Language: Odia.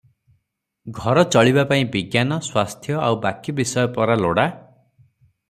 ଘର ଚଳିବା ପାଇଁ ବିଜ୍ଞାନ, ସ୍ୱାସ୍ଥ୍ୟ ଆଉ ବାକି ବିଷୟ ପରା ଲୋଡ଼ା ।